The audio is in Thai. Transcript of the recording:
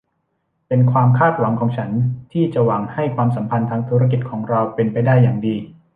เป็นความคาดหวังของฉันที่จะหวังให้ความสัมพันธ์ทางธุรกิจของเราเป็นไปได้อย่างดี